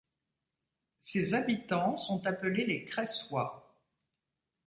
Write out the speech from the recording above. Ses habitants sont appelés les Creyssois.